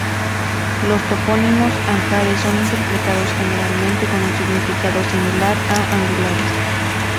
Los topónimos "Ancares" son interpretados generalmente con un significado similar a "angulares".